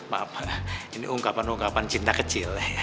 maaf ini ungkapan ungkapan cinta kecil ya